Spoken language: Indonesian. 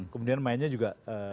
kemudian mainnya juga